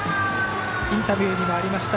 インタビューにもありました